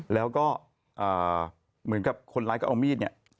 แล้วก็เหมือนกับคนร้ายก็เอามีดเนี่ย